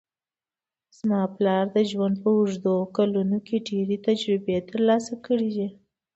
زما پلار د ژوند په اوږدو کلونو کې ډېرې تجربې ترلاسه کړې دي